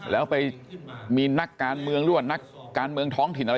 แล้วไปมีนักการเมืองหรือว่านักการเมืองท้องถิ่นอะไร